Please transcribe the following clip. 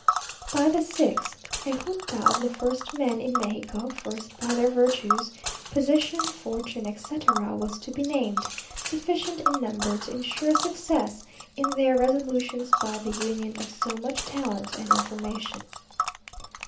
By the sixth, a Junta of the first men in Mexico; first by their virtues, position, fortune, etc., was to be named, sufficient in number to ensure success in their resolutions by the union of so much talent and information.